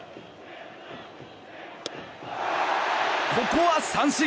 ここは三振！